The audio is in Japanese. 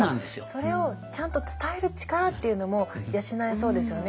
それをちゃんと伝える力というのも養えそうですよね。